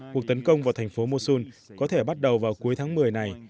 cuộc tấn công vào thành phố mosun có thể bắt đầu vào cuối tháng một mươi này